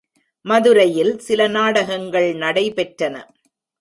மதுரையில் சில நாடகங்கள் நடைபெற்றன.